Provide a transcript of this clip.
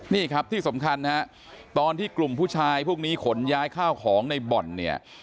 นี่ครับที่สำคัญนะฮะตอนที่กลุ่มผู้ชายพวกนี้ขนย้ายข้าวของในบ่อนเนี่ย